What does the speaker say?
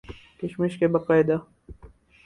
کشمش کے باقاعدہ